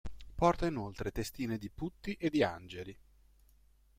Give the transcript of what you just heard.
Porta inoltre testine di putti e di angeli.